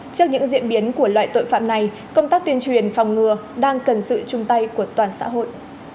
trước những diễn biến của loại tội phạm này công tác tuyên truyền phòng ngừa đang cần sự chung tay của toàn xã hội